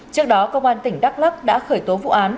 trước đó công an tỉnh đắk lắc đã khởi tố vụ án